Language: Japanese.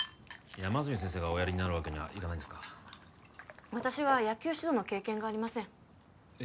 山住先生がおやりになるわけにはいかないんですか私は野球指導の経験がありませんえっ